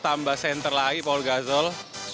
tambah center lagi paul gasol